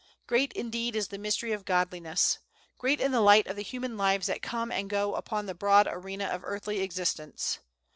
Great, indeed, is the mystery of Godliness! great in the light of the human lives that come and go upon the broad arena of earthly existence.